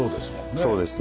そうですね。